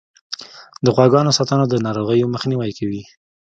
د غواګانو ساتنه د ناروغیو مخنیوی کوي.